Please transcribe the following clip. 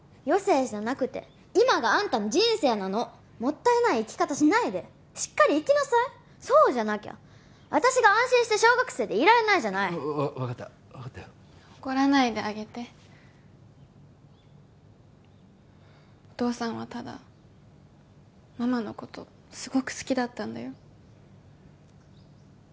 余生じゃなくて今があんたの人生なのもったいない生き方しないでしっかり生きなさいそうじゃなきゃ私が安心して小学生でいられないじゃないわ分かった分かったよ怒らないであげてお父さんはただママのことすごく好きだったんだよ